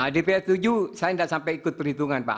di tps tujuh saya enggak sampai ikut perhitungan pak